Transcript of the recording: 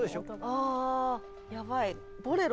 あやばい